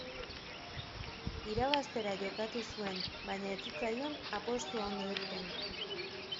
Irabaztera jokatu zuen, baina ez zitzaion apostua ondo irten.